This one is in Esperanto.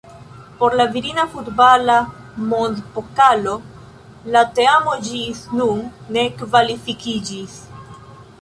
Por la Virina Futbala Mondpokalo la teamo ĝis nun ne kvalifikiĝis.